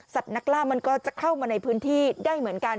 นักล่ามันก็จะเข้ามาในพื้นที่ได้เหมือนกัน